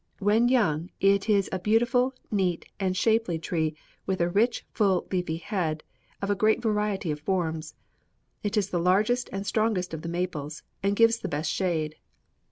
When young, it is a beautiful, neat and shapely tree with a rich, full leafy head of a great variety of forms. It is the largest and strongest of the maples, and gives the best shade.